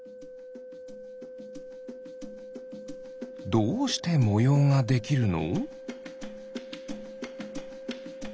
どうしてもようができるの？